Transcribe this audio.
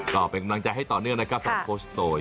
ก็เป็นกำลังใจให้ต่อเนื่องนะครับสำหรับโคชโตย